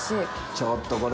ちょっとこれ。